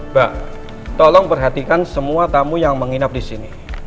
mbak tolong perhatikan semua tamu yang menginap disini